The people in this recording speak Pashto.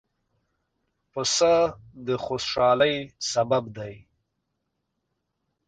پسه د خوشحالۍ سبب دی.